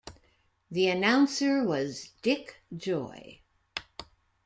The announcer was Dick Joy.